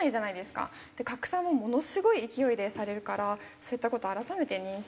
拡散もものすごい勢いでされるからそういった事を改めて認識。